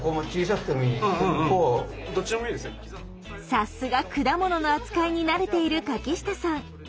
さすが果物の扱いに慣れている柿下さん。